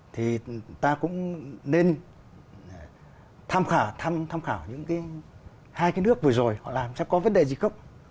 thì ta cũng nên tham khảo tham khảo những cái hai cái nước vừa rồi họ làm chắc có vấn đề gì không